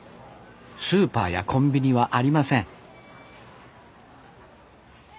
スーパーやコンビニはありません